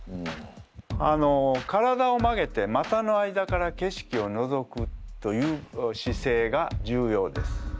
あの体を曲げて股の間から景色をのぞくという姿勢が重要です。